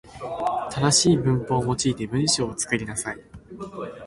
正しい文法を用いて文章を作りなさい。